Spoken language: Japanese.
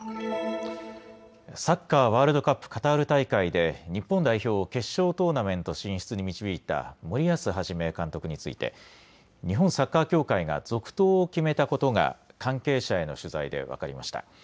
サッカーワールドカップカタール大会で日本代表を決勝トーナメント進出に導いた森保一監督について日本サッカー協会が続投を決めたことが関係者への取材で分かりました。